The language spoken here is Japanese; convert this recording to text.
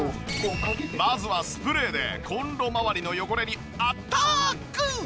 まずはスプレーでコンロ周りの汚れにアタック！